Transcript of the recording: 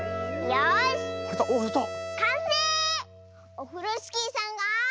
オフロスキーさんが。